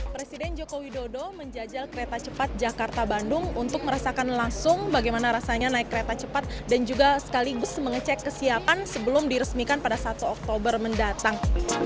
presiden joko widodo menjajal kereta cepat jakarta bandung untuk merasakan langsung bagaimana rasanya naik kereta cepat dan juga sekaligus mengecek kesiapan sebelum diresmikan pada satu oktober mendatang